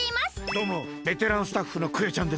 どうもベテランスタッフのクヨちゃんです。